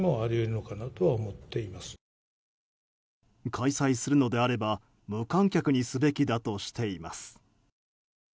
開催するのであれば無観客にすべきだとしています。